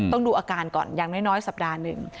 ดูอาการก่อนอย่างน้อยสัปดาห์หนึ่ง